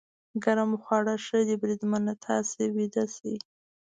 ګرم خواړه ښه دي، بریدمنه، تاسې ویده شئ.